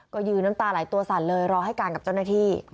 ก็ยืนน้ำตาไหลตัวสั่นเลยรอให้การกับเจ้าหน้าที่